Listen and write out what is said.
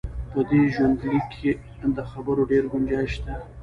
په دې ژوندلیک د خبرو ډېر ګنجایش شته.